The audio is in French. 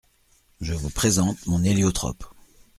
Je vous présente mon héliotrope.